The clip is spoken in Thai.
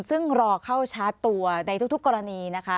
ซึ่งรอเข้าชาร์จตัวในทุกกรณีนะคะ